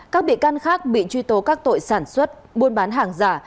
các bị can khác bị truy tố các tội sản xuất buôn bán hàng giả